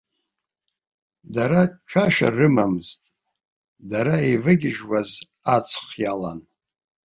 Дара цәашьа рымамызт, дара еивагьежьуаз аҵх иалан.